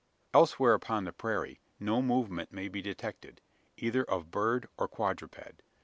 Elsewhere upon the prairie, no movement may be detected either of bird or quadruped.